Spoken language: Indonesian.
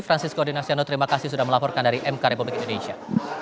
francisco dinasiano terima kasih sudah melaporkan dari mk republik indonesia